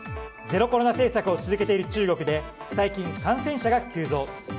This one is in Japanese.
ゼロコロナ政策を続けている中国で最近、感染者が急増。